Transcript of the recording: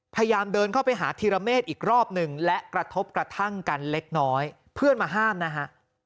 พยายามเดินเข้าไปหาธีรเมฆอีกรอบหนึ่งและกระทบกระทั่งกันเล็กน้อยเพื่อนมาห้ามนะฮะ